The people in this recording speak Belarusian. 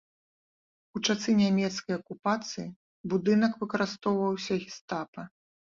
У часы нямецкай акупацыі будынак выкарыстоўваўся гестапа.